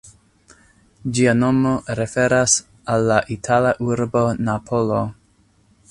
Ĝia nomo referas al la itala urbo Napolo.